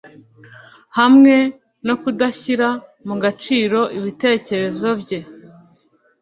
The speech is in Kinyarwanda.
Hamwe no kudashyira mu gaciro ibitekerezo bye